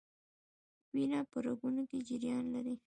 وینه په رګونو کې جریان لري